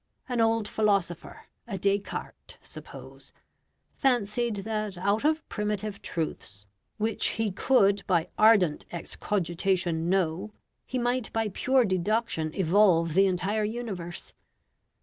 An old philosopher a Descartes, suppose fancied that out of primitive truths, which he could by ardent excogitation know, he might by pure deduction evolve the entire universe.